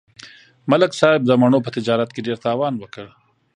ملک صاحب د مڼو په تجارت کې ډېر تاوان وکړ.